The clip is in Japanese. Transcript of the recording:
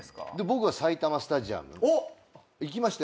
僕は埼玉スタジアム行きましたよ。